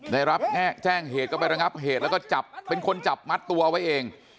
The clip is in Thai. ได้รับแจ้งเหตุก็ไประงับเหตุแล้วก็จับเป็นคนจับมัดตัวไว้เอง